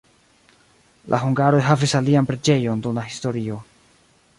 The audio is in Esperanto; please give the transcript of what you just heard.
La hungaroj havis alian preĝejon dum la historio.